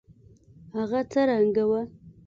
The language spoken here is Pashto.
هغه څه رنګه وه.